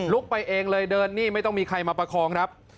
ไปเองเลยเดินนี่ไม่ต้องมีใครมาประคองครับ